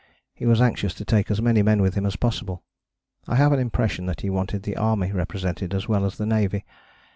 He was anxious to take as many men with him as possible. I have an impression that he wanted the army represented as well as the navy.